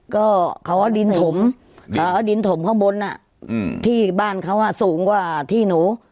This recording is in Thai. ก็เขาเอาดินถมเขาเอาดินถมข้างบนที่บ้านเขาสูงกว่าที่หนู